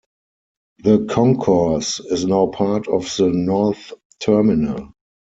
The concourse is now part of the North Terminal.